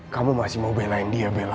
kamu masih mau belain dia bela